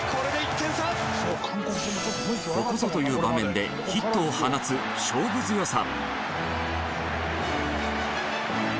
ここぞという場面でヒットを放つ勝負強さ。